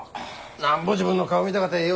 なんぼ自分の顔見たかてええ